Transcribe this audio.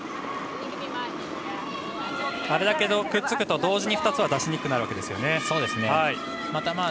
あれだけくっつくと同時に２つは出しにくくなるわけですね。